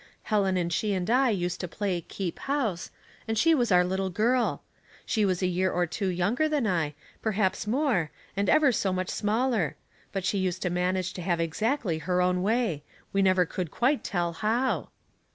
Helen and she and I used to play keep house, and she was our little girl. She was a 3ear or two younger than I, perhaps more, and ever so much smaller ; but she used to manage to have exactly her own way. We never could quite tell how."